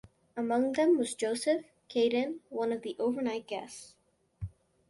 Among them was Joseph Cadden, one of the overnight guests.